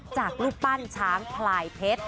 จากรูปปั้นช้างพลายเพชร